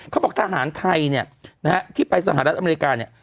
เขาบอกทหารไทยเนี่ยนะฮะที่ไปสหรัฐอเมริกาเนี่ย